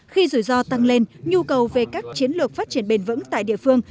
khi rủi ro tăng lên nhu cầu về các chiến lược phát triển bền vững tại địa phương